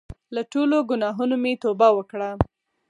له ټولو ګناهونو مې توبه وکړه.